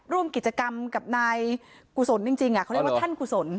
ร่วมกิจกรรมกับนายกุศลจริงเขาเรียกว่าท่านกุศล